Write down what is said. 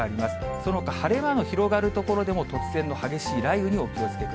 そのほか晴れ間の広がる所でも、突然の激しい雷雨にお気をつけく